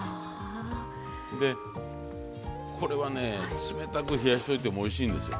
これはね冷たく冷やしといてもおいしいんですよ。